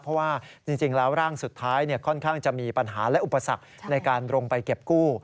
เพราะว่าจริงแล้วร่างสุดท้ายค่อนข้างจะมีปัญหาและอุปสรรคในการลงไปเก็บกู้